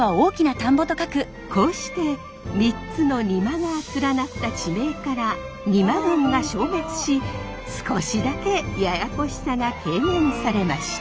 こうして３つのにまが連なった地名から邇摩郡が消滅し少しだけややこしさが軽減されました。